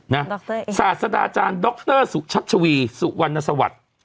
ดรศาสดาอาจารย์ดรสุชัชวีสุวรรณสวัสดิ์